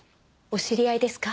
お知り合いですか？